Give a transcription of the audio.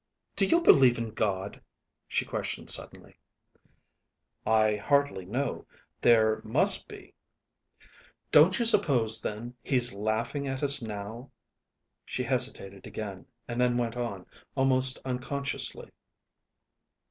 "Do you believe in God?" she questioned suddenly. "I hardly know. There must be " "Don't you suppose, then, He's laughing at us now?" She hesitated again and then went on, almost unconsciously.